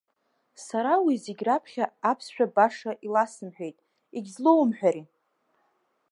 Сара уи зегь раԥхьа аԥсшәа баша иласымҳәеит, егьзлоумҳәари?!